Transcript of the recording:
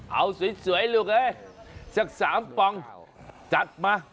เอาสวยลูกเอ้ยสัก๓ปองจัดมา